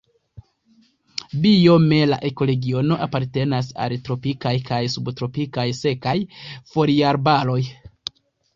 Biome la ekoregiono apartenas al tropikaj kaj subtropikaj sekaj foliarbaroj.